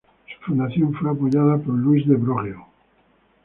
Su fundación fue apoyada por Louis de Broglie.